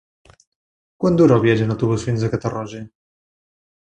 Quant dura el viatge en autobús fins a Catarroja?